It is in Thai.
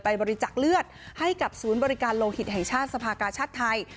บริจักษ์เลือดให้กับศูนย์บริการโลหิตแห่งชาติสภากาชาติไทย